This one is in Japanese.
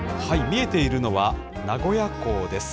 見えているのは、名古屋港です。